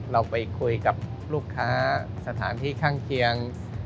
เราไปคุยกับลูกค้าสถานที่ข้างเคียง